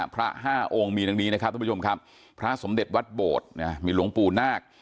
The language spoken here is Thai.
พระห้าองค์มีดังนี้นะครับทุกผู้ชมครับพระสมเด็จวัดโบสถ์มีหลวงปู่นาค